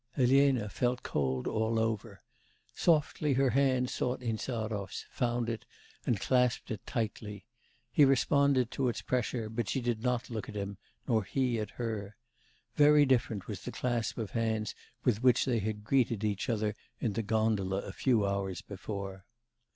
Elena felt cold all over. Softly her hand sought Insarov's, found it, and clasped it tightly. He responded to its pressure; but she did not look at him, nor he at her. Very different was the clasp of hands with which they had greeted each other in the gondola a few hours before.